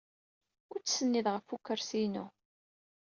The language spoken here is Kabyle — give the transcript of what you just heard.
Ur d-ttsennid ɣef ukersi-inu.